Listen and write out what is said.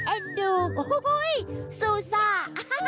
เอ็นดูโอ้โหซูซ่า